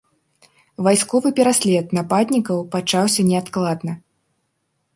Вайсковы пераслед нападнікаў пачаўся неадкладна.